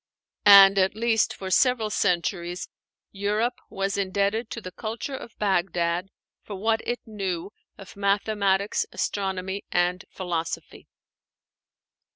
And, at least for several centuries, Europe was indebted to the culture of Bagdad for what it knew of mathematics, astronomy, and philosophy.